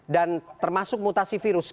dan termasuk mutasi virus